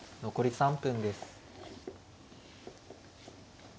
残り３分です。